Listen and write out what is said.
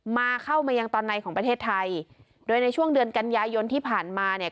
มาเข้ามายังตอนในของประเทศไทยโดยในช่วงเดือนกันยายนที่ผ่านมาเนี่ย